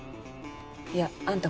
いやあんた